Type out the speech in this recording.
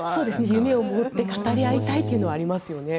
夢を持って語り合いたいというのはありますね。